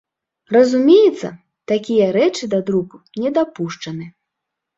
Разумеецца, такія рэчы да друку не дапушчаны.